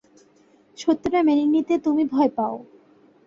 সত্য টা মেনে নিতে তুমি ভয় পাও।